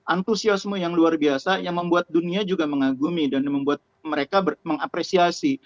antusiasme yang luar biasa yang membuat dunia juga mengagumi dan membuat mereka mengapresiasi